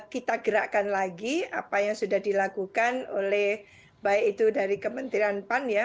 kita gerakkan lagi apa yang sudah dilakukan oleh baik itu dari kementerian pan ya